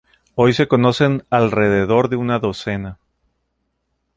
Hoy se conocen alrededor de una docena.